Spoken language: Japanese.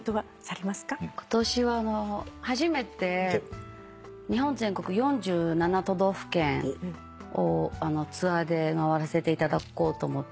今年は初めて日本全国４７都道府県をツアーで回らせていただこうと思っていて。